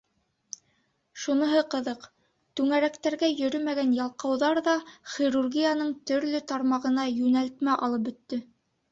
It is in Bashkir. Шуныһы ҡыҙыҡ: түңәрәктәргә йөрөмәгән ялҡауҙар ҙа хирургияның төрлө тармағына йүнәлтмә алып бөттө.